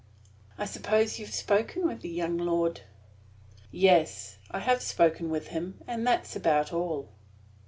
"I suppose you have spoken with the young lord?" "Yes. I have spoken with him, and that is about all."